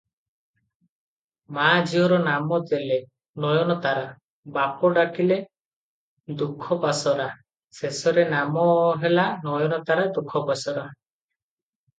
ମା ଝିଅର ନାମ ଦେଲେ, ନୟନତାରା- ବାପ ଡାକିଲେ ଦୁଃଖପାସୋରା- ଶେଷରେ ନାମ ହେଲା ନାୟନତାରା ଦୁଃଖପାସୋରା ।